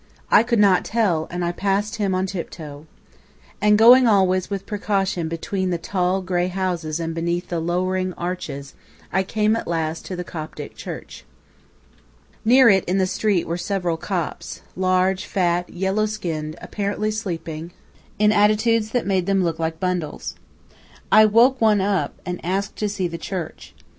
I could not tell, and I passed him on tiptoe. And going always with precaution between the tall, grey houses and beneath the lowering arches, I came at last to the Coptic church. Near it, in the street, were several Copts large, fat, yellow skinned, apparently sleeping, in attitudes that made them look like bundles. I woke one up, and asked to see the church.